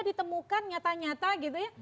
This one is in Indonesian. ditemukan nyata nyata gitu ya